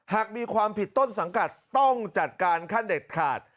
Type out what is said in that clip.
หากมีความผิดต้นสังกัดต้องจัดการขั้นเด็ดขาด